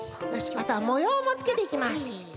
あとはもようもつけていきます。